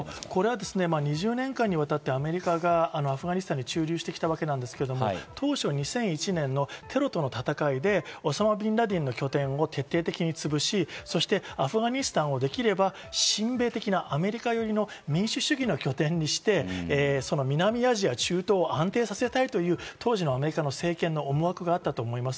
２０年間にわたってアメリカがアフガニスタンに駐留してきたわけですが、当初２００１年のテロとの戦いでオサマ・ビンラディンの拠点を徹底的につぶし、アフガニスタンをできれば親米的なアメリカ寄りの民主主義の拠点にして、南アジア、中東を安定させたいという当時のアメリカの政権の思惑があったと思います。